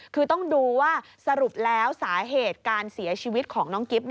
คือต้องดูว่าสรุปแล้วสาเหตุการเสียชีวิตของน้องกิ๊บ